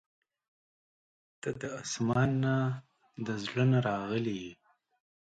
• ته د اسمان نه، د زړه نه راغلې یې.